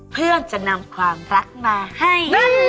เพื่อจะนำความรักมาให้